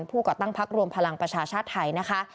ก่อตั้งพักรวมพลังประชาชาติไทยนะคะ